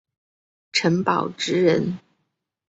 陈宝炽人。